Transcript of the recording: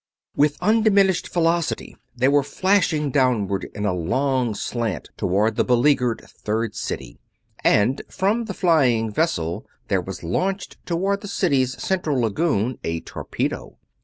With undiminished velocity they were flashing downward in a long slant toward the beleaguered Third City, and from the flying vessel there was launched toward the city's central lagoon a torpedo.